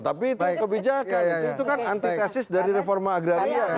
tapi itu kebijakan itu kan antitesis dari reforma agraria enggak bisa dong